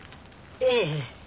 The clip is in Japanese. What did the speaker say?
ええ。